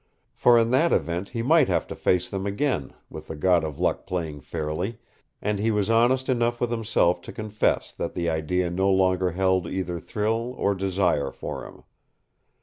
For in that event he might have to face them again, with the god of luck playing fairly, and he was honest enough with himself to confess that the idea no longer held either thrill or desire for him.